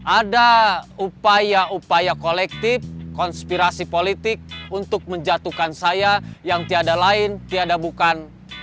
ada upaya upaya kolektif konspirasi politik untuk menjatuhkan saya yang tiada lain tiada bukan